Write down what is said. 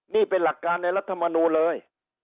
นี่เป็นหลักการในรัฐมนูลเลย